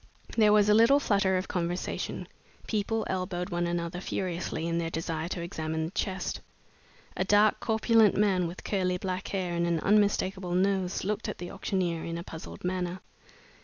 There was a little flutter of conversation. People elbowed one another furiously in their desire to examine the chest. A dark, corpulent man, with curly black hair and an unmistakable nose, looked at the auctioneer in a puzzled manner.